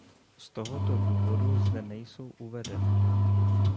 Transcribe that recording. Z tohoto důvodu zde nejsou uvedeny.